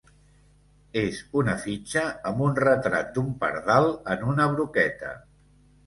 És una fitxa amb un retrat d'un pardal en una broqueta.